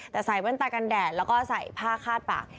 แต่ใส่แว่นตากันแดดแล้วก็ใส่ผ้าคาดปาก